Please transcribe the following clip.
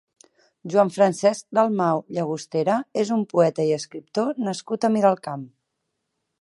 Joan Francesc Dalmau Llagostera és un poeta i escriptor nascut a Miralcamp.